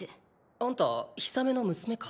あんたヒサメの娘か？